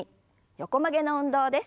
横曲げの運動です。